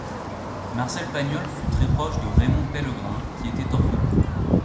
Marcel Pagnol fut très proche de Raymond Pellegrin, qui était orphelin.